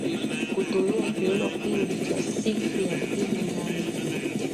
kutumia kiuno kingi cha siku ya pili ndani